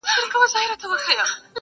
ما په ژوند کي داسي قام نه دی لیدلی،